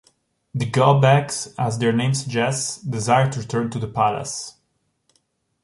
The Go-Backs, as their name suggests, desire to return to the Palace.